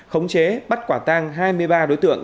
khống chế bắt quả tang hai mươi ba đối tượng